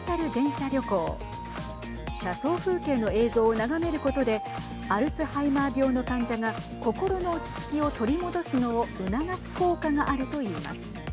車窓風景の映像を眺めることでアルツハイマー病の患者が心の落ち着きを取り戻すのを促す効果があるといいます。